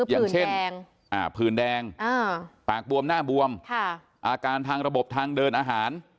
อย่างเช่นผื่นแดงปากบวมหน้าบวมอาการทางระบบทางเดินอาหาร